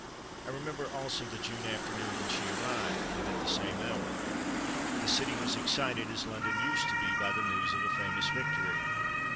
I remember also the June afternoon when she arrived, and at the same hour. The city was excited as London used to be by the news of a famous victory.